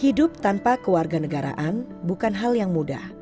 hidup tanpa kewarga negaraan bukan hal yang mudah